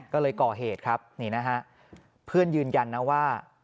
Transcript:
ก็เลยก่อเหตุครับนี่นะฮะเพื่อนยืนยันนะว่า